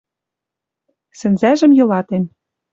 Сӹнзӓжӹм йылатен